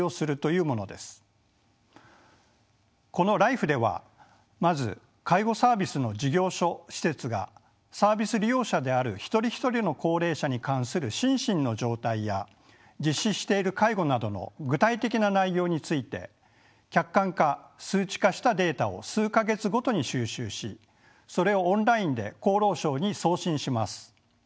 このＬＩＦＥではまず介護サービスの事業所・施設がサービス利用者である一人一人の高齢者に関する心身の状態や実施している介護などの具体的な内容について客観化数値化したデータを数か月ごとに収集しそれをオンラインで厚労省に送信します。